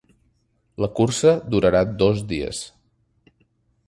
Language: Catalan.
La cursa durarà dos dies.